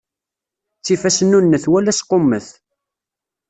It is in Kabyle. Ttif asnunnet wala asqummet.